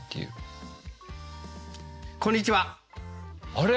あれ？